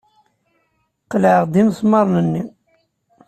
Qelɛeɣ-d imesmaṛen-nni.